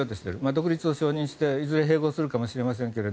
独立を承認していずれ併合するかもしれませんが。